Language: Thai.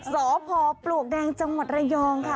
สพปลวกแดงจังหวัดระยองค่ะ